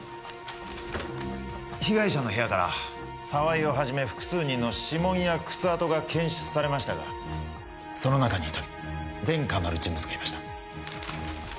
被害者の部屋から澤井をはじめ複数人の指紋や靴跡が検出されましたがその中に１人前科のある人物がいました。